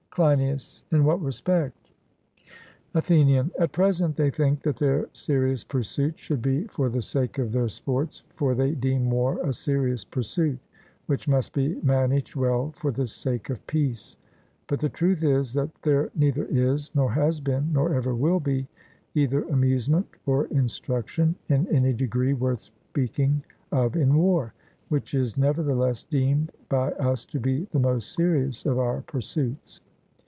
CLEINIAS: In what respect? ATHENIAN: At present they think that their serious pursuits should be for the sake of their sports, for they deem war a serious pursuit, which must be managed well for the sake of peace; but the truth is, that there neither is, nor has been, nor ever will be, either amusement or instruction in any degree worth speaking of in war, which is nevertheless deemed by us to be the most serious of our pursuits.